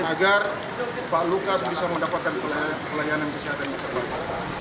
agar pak lukas bisa mendapatkan pelayanan kesehatan yang terbaik